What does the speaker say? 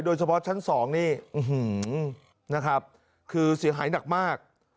โดยเฉพาะชั้น๒นี่นะครับคือเสียหายหนักมาก